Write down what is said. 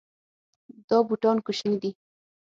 دا بوټان کوچني دي